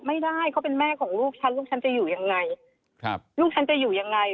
ไม่ได้เขาเป็นแม่ของลูกฉันลูกฉันจะอยู่ยังไง